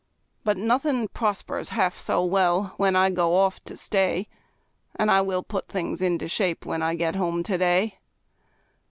But nothing prospers half so well when I go off to stay, And I will put things into shape, when I get home to day.